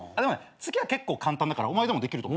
次は結構簡単だからお前でもできると思う。